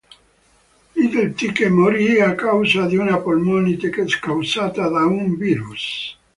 Little Tyke morì a causa di una polmonite causata da un virus.